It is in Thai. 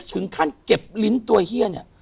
ถึงขั้นเก็บลิ้นตัวเฮียเนี่ย